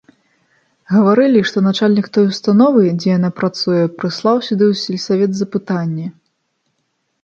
Гаварылі, што начальнік той установы, дзе яна працуе, прыслаў сюды ў сельсавет запытанне.